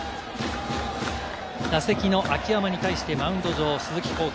打席の秋山に対してマウンド上、鈴木康平。